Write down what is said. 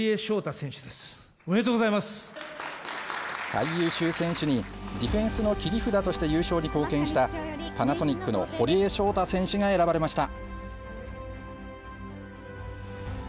最優秀選手にディフェンスの切り札として優勝に貢献したパナソニックの堀江翔太選手が選ばれました。